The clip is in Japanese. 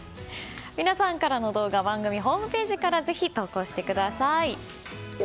皆さんからの動画番組ホームページからぜひ投稿してください。